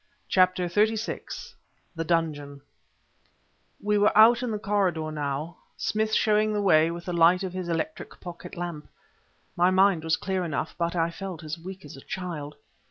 CHAPTER XXXVI THE DUNGEON We were out in the corridor now, Smith showing the way with the light of his electric pocket lamp. My mind was clear enough, but I felt as weak as a child.